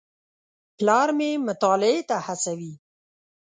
پلار مې مطالعې ته هڅوي.